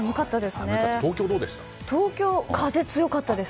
東京は風が強かったです。